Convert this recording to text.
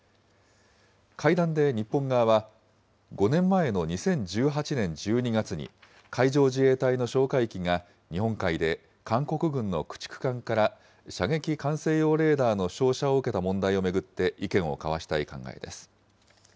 会談で日本側は、５年前の２０１８年１２月に、海上自衛隊の哨戒機が日本海で韓国軍の駆逐艦から射撃管制用レーダーの照射を受けた問題を巡って意見を交わしたい考えです。